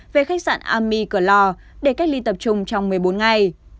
về khách sạn ami cửa lò để cách ly tập trung trong một mươi bốn ngày